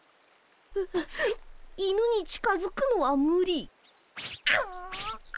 犬に近づくのはむり。